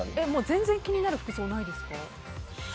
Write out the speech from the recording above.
全然気になる服装ないですか？